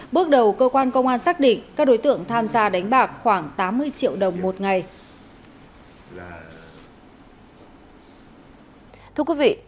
bước đầu cơ quan công an xác định các đối tượng tham gia đánh bạc khoảng tám mươi triệu đồng một ngày